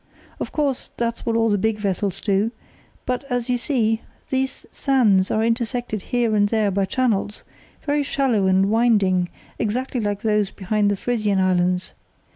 Of course, that's what all big vessels do. But, as you see, these sands are intersected here and there by channels, very shallow and winding, exactly like those behind the Frisian Islands.